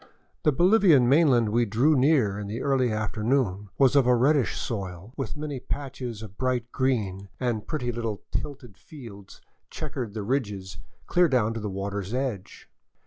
The Bolivian mainland we drew near in the early afternoon was of a reddish soil, with many patches of bright green and pretty little 493 VAGABONDING DOWN THE ANDES tilted fields checkering the ridges clear down to the water's edge.